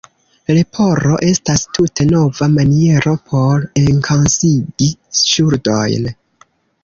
Leporo estas tute nova maniero por enkasigi ŝuldojn.